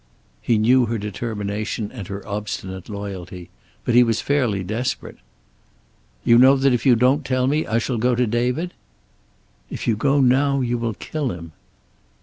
He knew her determination and her obstinate loyalty. But he was fairly desperate. "You know that if you don't tell me, I shall go to David?" "If you go now you will kill him."